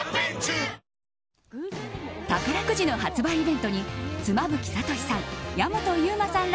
宝くじの発売イベントに妻夫木聡さん